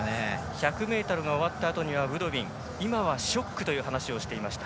１００ｍが終わったあとにブドビンは今はショックという話をしていました。